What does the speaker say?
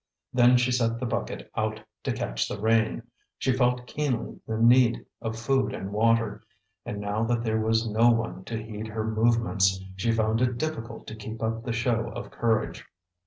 Then she set the bucket out to catch the rain. She felt keenly the need of food and water; and now that there was no one to heed her movements, she found it difficult to keep up the show of courage.